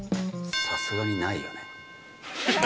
さすがにないよね。